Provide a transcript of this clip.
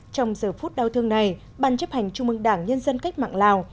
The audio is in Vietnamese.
trong giờ phút đau thương này ban chấp hành trung mương đảng nhân dân cách mạng lào